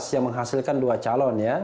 yang menghasilkan dua calon ya